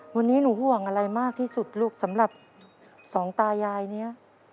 วันนี้หนูห่วงอะไรมากที่สุดลูกสำหรับสองตายายนี้